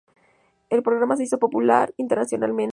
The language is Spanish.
El programa se hizo popular internacionalmente.